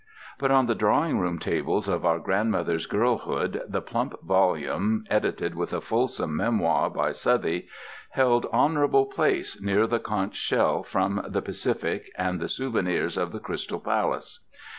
But on the drawing room tables of our grandmothers' girlhood the plump volume, edited with a fulsome memoir by Southey, held honourable place near the conch shell from the Pacific and the souvenirs of the Crystal Palace.